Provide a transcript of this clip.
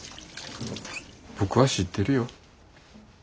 僕は知ってるよ。